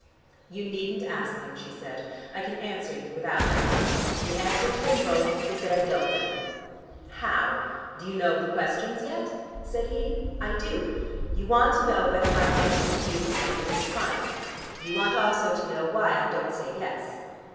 "You needn't ask them," she said. "I can answer you without that. The answer to them both is that I don't know." "How? Do you know the questions yet?" said he. "I do. You want to know whether my answer to you this evening is final. You want also to know why I don't say 'yes.'"